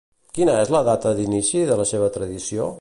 Quina és la data d'inici de la seva tradició?